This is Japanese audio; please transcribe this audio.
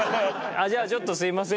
じゃあちょっとすみません。